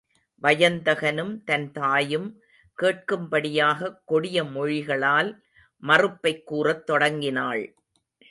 வயந்தகனும் தன் தாயும் கேட்கும் படியாகக் கொடிய மொழிகளால் மறுப்பைக் கூறத் தொடங்கினாள்.